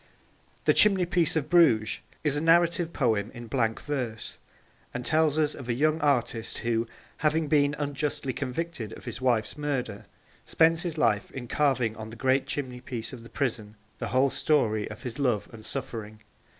The Chimneypiece of Bruges is a narrative poem in blank verse, and tells us of a young artist who, having been unjustly convicted of his wife's murder, spends his life in carving on the great chimneypiece of the prison the whole story of his love and suffering.